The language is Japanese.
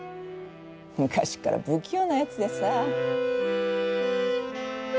昔から不器用なやつでさ。